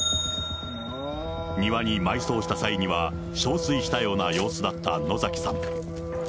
庭に埋葬した際には、憔悴したような様子だった野崎さん。